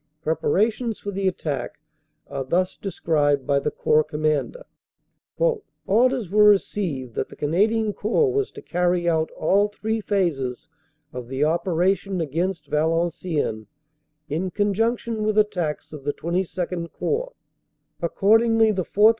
Preparations for the attack are thus described by the Corps Commander: "Orders were received that the Canadian Corps was to carry out all three phases of the operation against Valenciennes in conjunction with at tacks of the XXII Corps. Accordingly, the 4th.